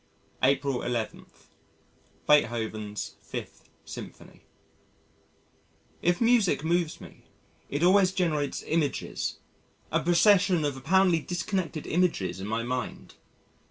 April 11. Beethoven's Fifth Symphony If music moves me, it always generates images a procession of apparently disconnected images in my mind.